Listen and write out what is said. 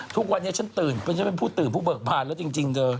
ทุกวันนี้ฉันตื่นเพราะฉันเป็นผู้ตื่นผู้เบิกผ่านแล้วจริงเธอ